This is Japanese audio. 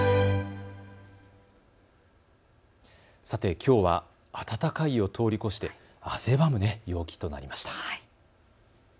さて、きょうは暖かいを通り越して汗ばむ陽気となりました。